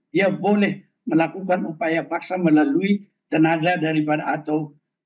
dia boleh melakukan upaya paksa melalui tenaga daripada atau